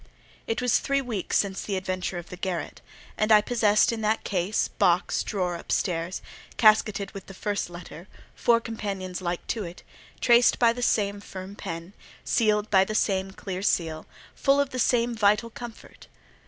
It was three weeks since the adventure of the garret, and I possessed in that case, box, drawer up stairs, casketed with that first letter, four companions like to it, traced by the same firm pen, sealed with the same clear seal, full of the same vital comfort.